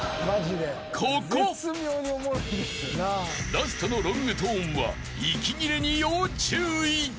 ［ラストのロングトーンは息切れに要注意］